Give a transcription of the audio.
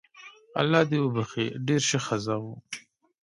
الله دي وبخښي ډیره شه ښځه وو